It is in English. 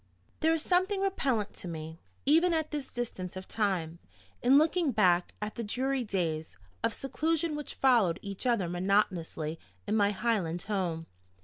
THERE is something repellent to me, even at this distance of time, in looking back at the dreary days, of seclusion which followed each other monotonously in my Highland home.